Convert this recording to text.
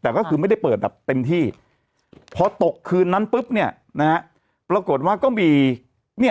แต่ก็คือไม่ได้เปิดแบบเต็มที่พอตกคืนนั้นปุ๊บเนี่ยนะฮะปรากฏว่าก็มีเนี่ย